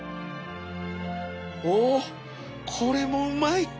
ほうこれもうまい！